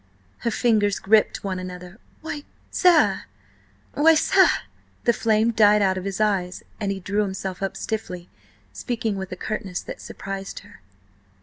Her fingers gripped one another. "Why, sir–why, sir—" The flame died out of his eyes, and he drew himself up stiffly, speaking with a curtness that surprised her.